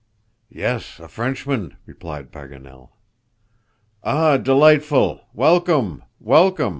"Yes, a Frenchman," replied Paganel. "Ah! delightful! Welcome, welcome.